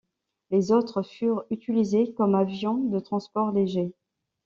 Les autres furent utilisés comme avions de transport léger.